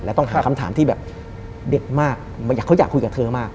แล้วต้องหาคำถามที่แบบเด็ดมากเขาอยากคุยกับเธอมาก